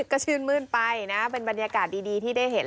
ก็ชื่นมื้นไปนะเป็นบรรยากาศดีที่ได้เห็น